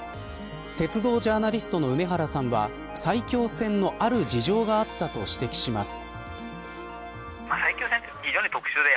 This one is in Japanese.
鉄道ジャーナリストの梅原さんは埼京線のある事情があったと指摘します。